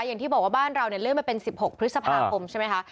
อย่างที่บอกว่าบ้านเราเนี่ยเลื่อนมาเป็น๑๖พฤษภาคมใช่ไหมคะ